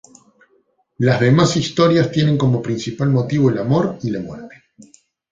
Las demás historias tienen como principal motivo el amor y la muerte.